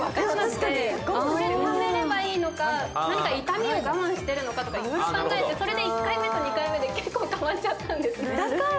ためればいいのか、何か痛みを我慢しているのか考えてそれで１回目と２回目で結構変わっちゃったんですよね。